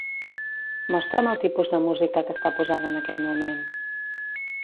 Mostra'm el tipus de música que està posada en aquest moment.